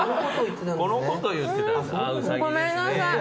ごめんなさい。